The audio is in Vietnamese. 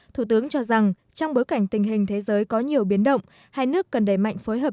thủ tướng cho rằng trong bối cảnh tình hình thế giới có nhiều biến động hai nước cần đẩy mạnh phối hợp